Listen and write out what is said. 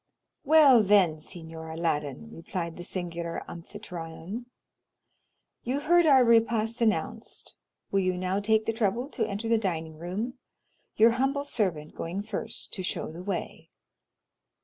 "Well, then, Signor Aladdin," replied the singular Amphitryon, "you heard our repast announced, will you now take the trouble to enter the dining room, your humble servant going first to show the way?"